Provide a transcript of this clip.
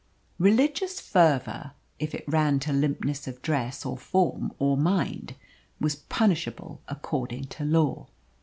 Religious fervour, if it ran to limpness of dress, or form, or mind, was punishable according to law.